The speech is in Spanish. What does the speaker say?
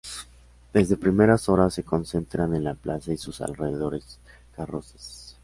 Desde primeras horas se concentran en la plaza y sus alrededores carrozas.